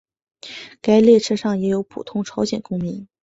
该列车上也有普通朝鲜公民。